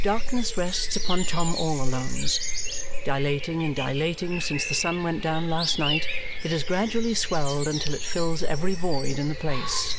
Darkness rests upon Tom All Alone's. Dilating and dilating since the sun went down last night, it has gradually swelled until it fills every void in the place.